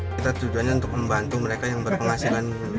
kita tujuannya untuk membantu mereka yang berpenghasilan